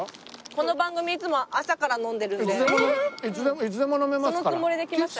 この番組いつも朝から飲んでるんでそのつもりで来ました。